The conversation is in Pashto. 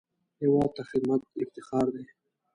هېواد ته خدمت افتخار دی